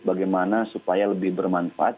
bagaimana supaya lebih bermanfaat